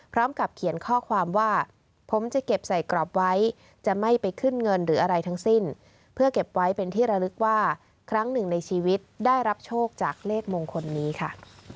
พร้อมกับเขียนข้อความว่าผมจะเก็บใส่กรอบไว้จะไม่ไปขึ้นเงินหรืออะไรทั้งสิ้นเพื่อเก็บไว้เป็นที่ระลึกว่าครั้งหนึ่งในชีวิตได้รับโชคจากเลขมงคลนี้ค่ะ